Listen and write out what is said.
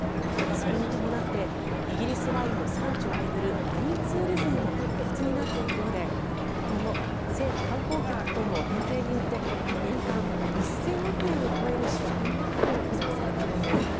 それに伴ってイギリスワインの産地を巡るワインツーリズムも活発になっているようで今後、政府観光局との連携で年間１０００億円を超える市場になると予測されているんです。